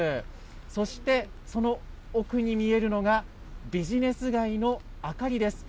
そしてその奥に見えるのが、ビジネス街の明かりです。